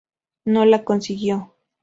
No lo consiguió.